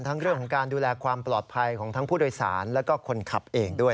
ทั้งเรื่องของการดูแลความปลอดภัยของทั้งผู้โดยสารแล้วก็คนขับเองด้วย